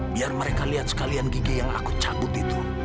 biar mereka lihat sekalian gigi yang aku cabut itu